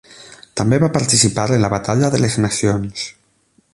També va participar en la Batalla de les Nacions.